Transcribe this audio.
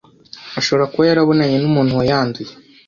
ashobora kuba yarabonanye n'umuntu wayanduye